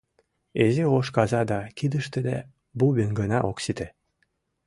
Изи ош каза да кидыштыда бубен гына ок сите.